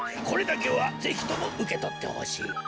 これだけはぜひともうけとってほしい。